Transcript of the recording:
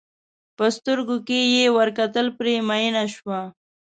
په سترګو کې یې ور کتل پرې مینه شوه.